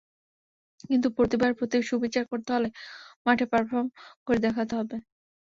কিন্তু প্রতিভার প্রতি সুবিচার করতে হলে মাঠে পারফর্ম করে দেখাতে হবে।